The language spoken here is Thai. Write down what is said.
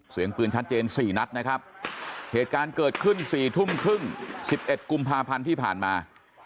เสียงปืนชัดเจน๔นัดนะครับเหตุการณ์เกิดขึ้น๔ทุ่มครึ่ง๑๑กุมภาพันธ์ที่ผ่านมา